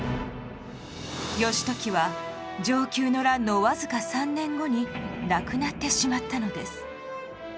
義時は承久の乱のわずか３年後に亡くなってしまったのです。